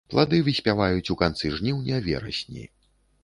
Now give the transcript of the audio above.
Плады выспяваюць у канцы жніўня-верасні.